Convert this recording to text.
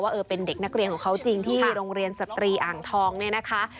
เออเป็นเด็กนักเรียนของเขาจริงที่โรงเรียนสตรีอ่างทองเนี่ยนะคะ